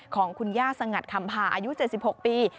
ของคุณย่าสงัดคำพาอายุ๗๖ปี